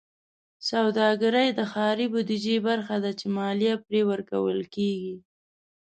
سوداګرۍ د ښاري بودیجې برخه ده چې مالیه پرې ورکول کېږي.